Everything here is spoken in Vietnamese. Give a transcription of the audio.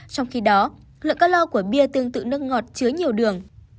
trong khi đó lượng cất lo của bia tương tự nước ngọt chứa nhiều đường